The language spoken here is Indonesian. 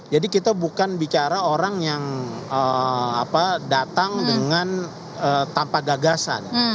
jadi kita bukan bicara orang yang datang dengan tanpa gagasan